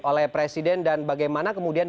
oleh presiden dan bagaimana kemudian